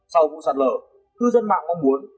sau vụ sạt lở thư dân mạng mong muốn